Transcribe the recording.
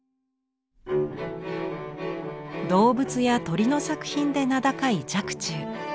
動物や鳥の作品で名高い若冲。